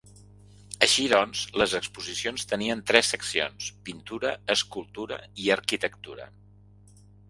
Així doncs, les exposicions tenien tres seccions: pintura, escultura i arquitectura.